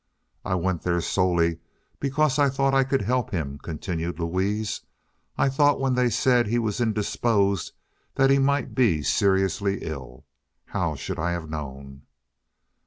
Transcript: "I went there solely because I thought I could help him," continued Louise. "I thought when they said he was indisposed that he might be seriously ill. How should I have known?"